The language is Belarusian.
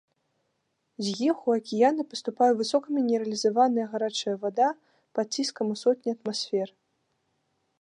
З іх у акіяны паступае высокамінералізаваныя гарачая вада пад ціскам ў сотні атмасфер.